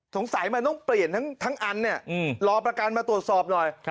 สงสัยมันต้องเปลี่ยนทั้งอันเนี่ยรอประกันมาตรวจสอบหน่อย